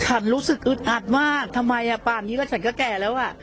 ฉันรู้สึกอึดอัดว่าทำไมป่านนี้ก็ฉันก็แก่แล้วอ่ะ